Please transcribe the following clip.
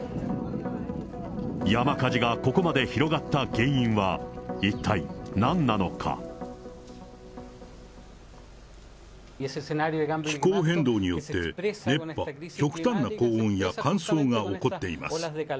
山火事がここまで広がった原因は、気候変動によって、熱波、極端な高温や乾燥が起こっています。